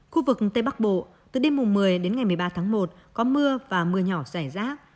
khu vực tây bắc bộ từ đêm một mươi một mươi ba một có mưa và mưa nhỏ rải rác